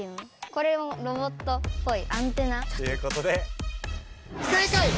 これもロボットっぽいアンテナ？ということで不正解！